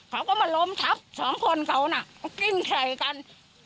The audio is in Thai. เขาก็มาล้มชับ๒คนเขาน่ะกิ้นไข่กัน